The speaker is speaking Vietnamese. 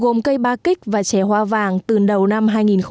gồm cây ba kích và trẻ hoa vàng từ đầu năm hai nghìn một mươi bảy